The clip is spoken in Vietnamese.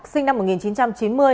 sinh năm một nghìn chín trăm chín mươi